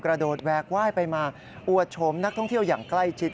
กระโดดแวกไหว้ไปมาอวดโฉมนักท่องเที่ยวอย่างใกล้ชิด